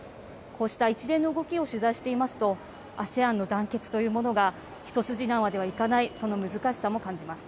こうした一連の動きを取材していますとＡＳＥＡＮの団結というものが一筋縄ではいかないその難しさも感じます。